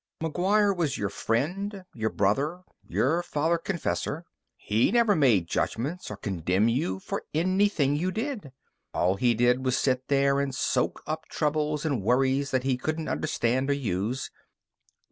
"McGuire was your friend, your brother, your Father Confessor. He never made judgments or condemned you for anything you did. All he did was sit there and soak up troubles and worries that he couldn't understand or use.